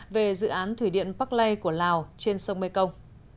về dự án thủy điện park lay của lào trên sông mê công